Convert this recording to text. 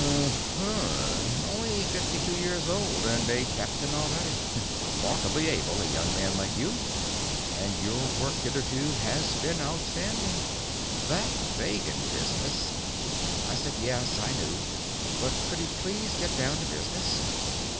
"Umm mm, only fifty two years old and a captain already. Remarkably able, a young man like you. And your work hitherto has been outstanding. That Vegan business...." I said yes, I knew, but could he please get down to business.